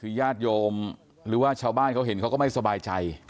คือญาติโยมหรือว่าชาวบ้านเขาเห็นเขาก็ไม่สบายใจ